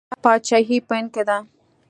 دا پاچاهي په هند کې ده.